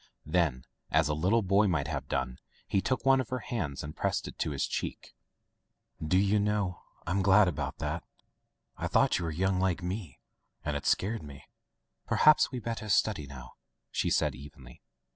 Then, as a little boy might have done, he took one of her hands and pressed it to his cheek. "Do you know, Pm glad about that — ^I thought you were young, like me, and it scared me *' "Perhaps we would better study now," she said evenly.